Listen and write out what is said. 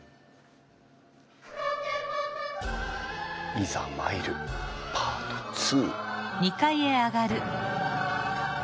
いざ参るパート２。